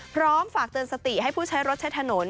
พร้อมฝากเตือนสติให้ผู้ใช้รถใช้ถนน